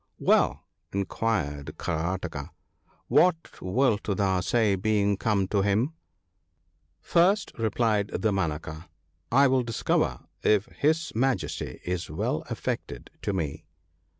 1 »)' Well/ inquired Karataka, ' what wilt thou say, being come to him ?' 'First/ replied Damanaka, 'I will discover if his Majesty is well affected to me.'